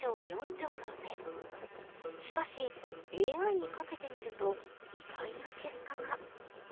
しかしＡＩにかけてみると意外な結果が。